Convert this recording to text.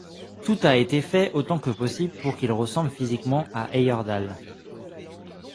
Tout a été fait autant que possible pour qu'il ressemble physiquement à Heyerdahl.